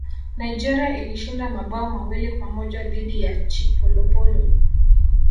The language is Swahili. nigeria ilishinda mabao mawili kwa moja dhidi ya chipolopolo